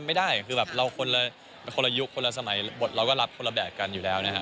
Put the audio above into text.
ไม่ได้คือแบบเราคนละเป็นคนละยุคคนละสมัยบทเราก็รับคนละแบบกันอยู่แล้วนะฮะ